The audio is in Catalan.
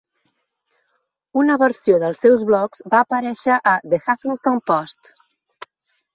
Una versió dels seus blogs va aparèixer a "The Huffington Post".